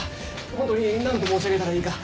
ホントに何と申し上げたらいいか。